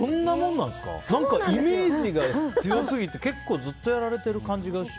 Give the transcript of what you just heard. イメージが強すぎてずっとやられている感じが。